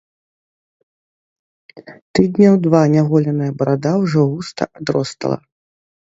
Тыдняў два няголеная барада ўжо густа адростала.